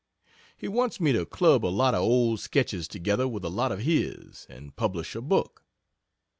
He wants me to club a lot of old sketches together with a lot of his, and publish a book.